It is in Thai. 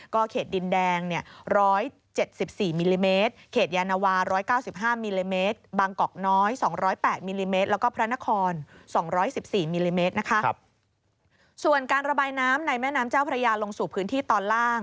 ก็เขตดินแดง๑๗๔มิลลิเมตรเขตยานวา๑๙๕มิลลิเมตร